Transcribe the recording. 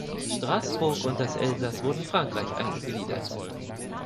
Straßburg und das Elsass wurden Frankreich eingegliedert.